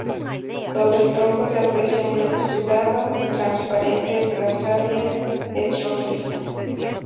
Sobre el tronco se aprecia un exudado transparente; la savia es rojiza.